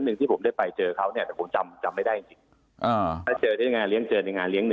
เพราะว่าเขาถูกจับเขาถูกยึดโทรศัพท์อะไรไปเนี่ย